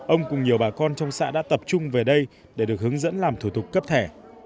ông cùng nhiều bà con trong xã đã tập trung về đây để được hướng dẫn làm thủ tục cấp thẻ